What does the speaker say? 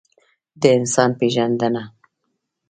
د انسان پېژندنه.